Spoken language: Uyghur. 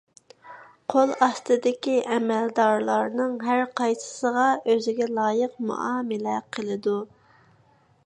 قول ئاستىدىكى ئەمەلدارلارنىڭ ھەر قايسىسىغا ئۆزىگە لايىق مۇئامىلە قىلىدۇ.